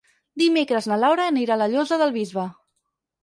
Dimecres na Laura anirà a la Llosa del Bisbe.